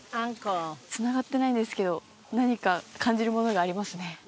つながってないんですけど何か感じるものがありますね